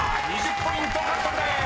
［２０ポイント獲得です］